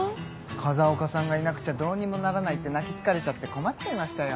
風岡さんがいなくちゃどうにもならないって泣き付かれちゃって困っちゃいましたよ。